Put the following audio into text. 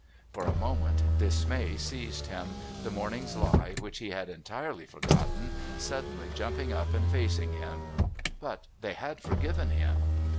For a moment dismay seized him, the morning's lie which he had entirely forgotten suddenly jumping up and facing him. But they had forgiven him.